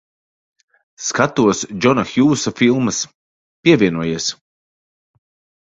Skatos Džona Hjūsa filmas. Pievienojies.